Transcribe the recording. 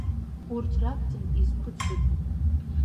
Урҭ ракәӡам изқәыӡбатәу.